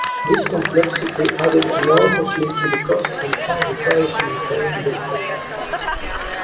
This complexity added enormously to the cost and time required to maintain the missiles.